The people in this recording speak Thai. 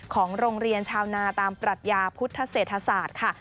ของโรงเรียนชาวนาตามปรัชญาพุทธเศรษฐศาสตร์ค่ะ